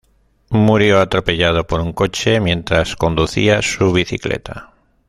Murió atropellado por un coche mientras conducía su bicicleta.